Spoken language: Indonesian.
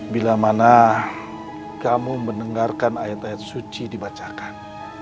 bila mana kamu mendengarkan ayat ayat suci dibacakan